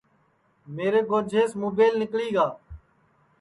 میرے گھوجیس مُبیل نیکݪی گا